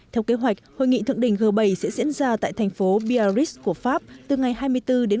theo kế hoạch hội nghị thượng đỉnh g bảy sẽ diễn ra tại thành phố biaarris của pháp từ ngày hai mươi bốn đến